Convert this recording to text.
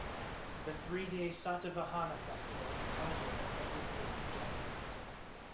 The three day Satavahana festival is held there every year in January.